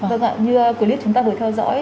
vâng ạ như clip chúng ta vừa theo dõi